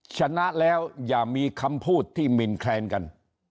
ชนะแล้วอย่ามีคำพูดที่มินแคลนกัน